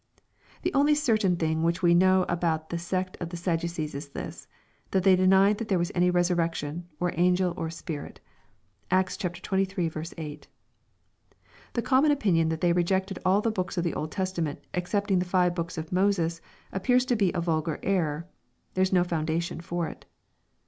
] The only certain thing which we know about the sect of the Sadducees is this, that 5iey denied that there was any resurrection, or angel, or spirit. (Acts xxiii. 8.) The common opinion that they rejected all the books of the Old Testament, excepting the five books of Moses, appears to be a vulgar error. There is no foundation for it.